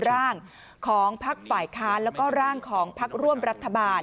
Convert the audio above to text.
ร่างของพักฝ่ายค้านแล้วก็ร่างของพักร่วมรัฐบาล